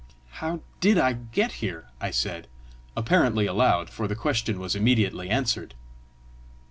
"How DID I get here?" I said apparently aloud, for the question was immediately answered.